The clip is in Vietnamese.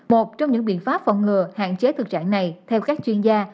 một trong những biện pháp phòng ngừa hạn chế thực trạng này theo các chuyên gia